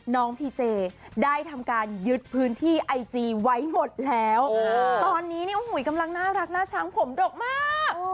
พีเจได้ทำการยึดพื้นที่ไอจีไว้หมดแล้วตอนนี้เนี่ยโอ้โหกำลังน่ารักหน้าช้างผมดกมาก